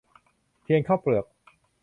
เทียนข้าวเปลือก